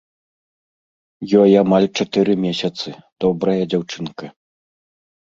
Ёй амаль чатыры месяцы, добрая дзяўчынка.